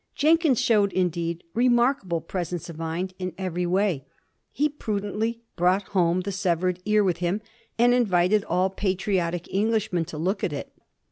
Jenkins showed, indeed, remarkable presence of mind in every way. He prudently brought home the severed ear with him, and invited all patriotic Englishmen to look at it.